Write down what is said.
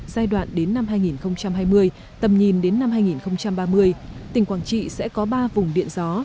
giai đoạn đến năm hai nghìn hai mươi tầm nhìn đến năm hai nghìn ba mươi tỉnh quảng trị sẽ có ba vùng điện gió